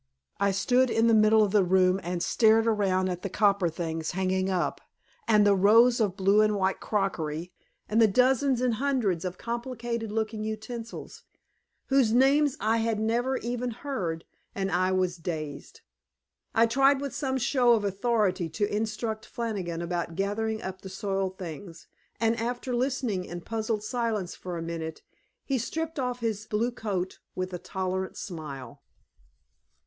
I stood in the middle of the room and stared around at the copper things hanging up and the rows of blue and white crockery, and the dozens and hundreds of complicated looking utensils, whose names I had never even heard, and I was dazed. I tried with some show of authority to instruct Flannigan about gathering up the soiled things, and, after listening in puzzled silence for a minute, he stripped off his blue coat with a tolerant smile.